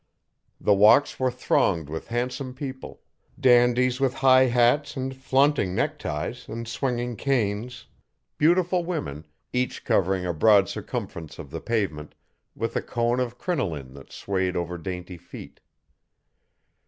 The walks were thronged with handsome people dandies with high hats and flaunting neckties and swinging canes beautiful women, each covering a broad circumference of the pavement, with a cone of crinoline that swayed over dainty feet.